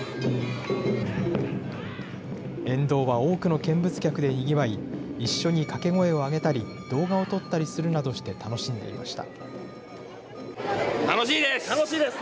沿道は多くの見物客でにぎわい、一緒に掛け声を上げたり、動画を撮ったりするなどして楽しんでいました。